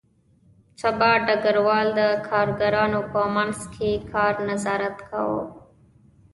سبا ډګروال د کارګرانو په منځ کې د کار نظارت کاوه